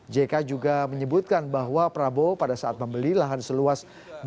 jk juga menyebutkan bahwa prabowo pada saat membeli lahan seluas